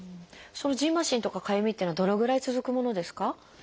そのじんましんとかかゆみっていうのはどのぐらい続くものですか？